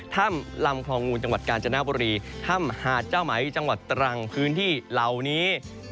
ถ้ำลำคลองงูจังหวัดกาญจนบุรีถ้ำหาดเจ้าไหมจังหวัดตรังพื้นที่เหล่านี้